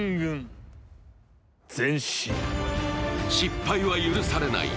失敗は許されない。